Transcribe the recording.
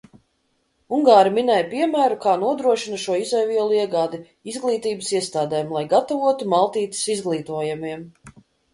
Ungāri minēja piemēru, kā nodrošina šo izejvielu iegādi izglītības iestādēm, lai gatavotu maltītes izglītojamiem.